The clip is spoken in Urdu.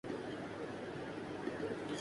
آسمان و زمین کا مالک جب اپنے ہاتھ سے صلہ دے گا